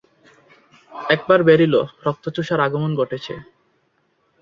একবার বেরুল, রক্তচোষার আগমন ঘটেছে।